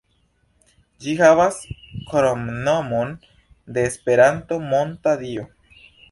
Ĝi havas kromnomon de Esperanto, "Monta Dio".